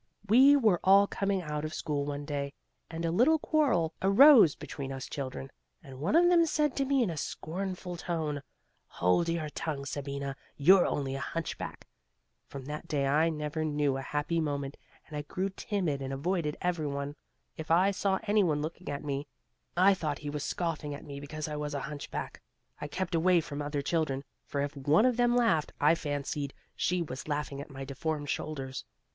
We were all coming out of school one day, and a little quarrel arose between us children, and one of them said to me in a scornful tone, 'Hold your tongue, Sabina, you're only a hunchback.' From that day I never knew a happy moment, and I grew timid and avoided every one; if I saw any one looking at me, I thought he was scoffing at me because I was a hunchback. I kept away from other children, for if one of them laughed, I fancied she was laughing at my deformed shoulders.